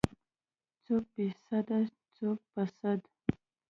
څوک بې سده څوک په سد.